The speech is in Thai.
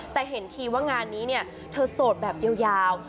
แต่เห็นทีว่างานนี้เนี่ยเธอโสดแบบยาว